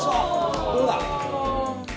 どうだ？